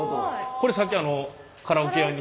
これさっきあのカラオケ屋に。